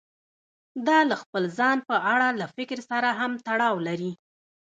دا له خپل ځان په اړه له فکر سره هم تړاو لري.